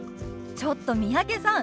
ちょっと三宅さん